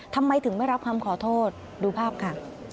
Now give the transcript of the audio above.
ทำไมถึงไม่รับคำขอโทษดูภาพค่ะ